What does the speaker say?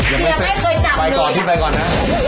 เฮียไม่เคยจำเลยไปก่อนชื่อไปก่อนนะ